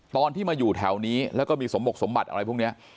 ตอนที่มาอยู่แถวนี้แล้วก็มีสมบกสมบัติอะไรพวกนี้